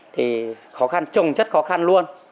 thì khó khăn trùng chất khó khăn luôn